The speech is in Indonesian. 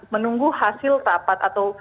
menunggu hasil tapat atau